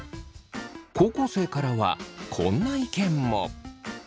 高校生からはこんな意見も。